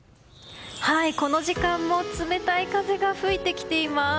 この時間も冷たい風が吹いてきています。